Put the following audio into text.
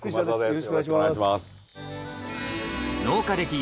よろしくお願いします。